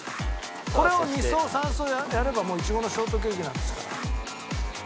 これを２層３層やればもうイチゴのショートケーキなんですから。